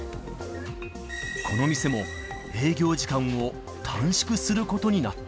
この店も営業時間を短縮することになった。